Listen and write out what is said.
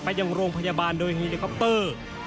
ไปยังโรงพยาบาลโดยอินโอเคร็อปเตอร์